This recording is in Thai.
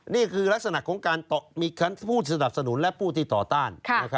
นี่คือลักษณะของการมีผู้สนับสนุนและผู้ที่ต่อต้าน